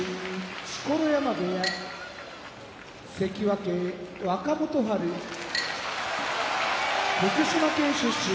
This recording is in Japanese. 錣山部屋関脇・若元春福島県出身荒汐